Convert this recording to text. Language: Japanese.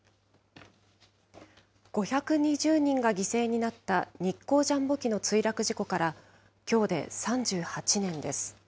５２０人が犠牲になった、日航ジャンボ機の墜落事故からきょうで３８年です。